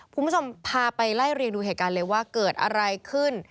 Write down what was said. คุณผู้ชมพาไปไล่เรียงดูเหตุการณ์เลยว่าเกิดอะไรขึ้น